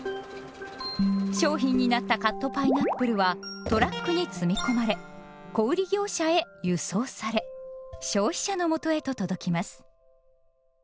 商品になったカットパイナップルはトラックに積み込まれ小売業者へ「輸送」され消費者のもとへと届きます。